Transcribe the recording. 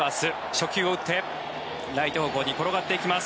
初球を打ってライト方向に転がっていきます。